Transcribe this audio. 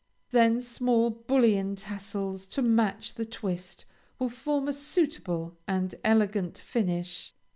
Then small bullion tassels to match the twist will form a suitable and elegant finish.